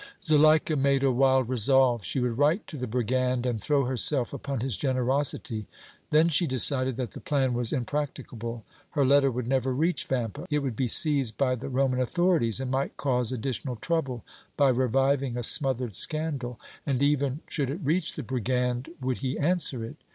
Zuleika made a wild resolve she would write to the brigand and throw herself upon his generosity; then she decided that the plan was impracticable; her letter would never reach Vampa it would be seized by the Roman authorities and might cause additional trouble by reviving a smothered scandal and even should it reach the brigand, would he answer it?